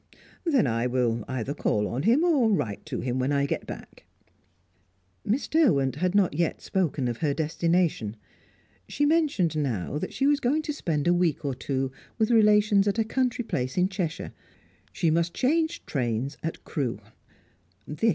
"Then I will either call on him, or write to him, when I get back." Miss Derwent had not yet spoken of her destination. She mentioned, now, that she was going to spend a week or two with relations at a country place in Cheshire. She must change trains at Crewe.